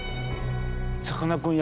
さかなクン